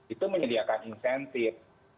itu menyediakan insentif